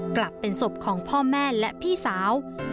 กลับเป็นศพของพ่อแม่และพี่สาว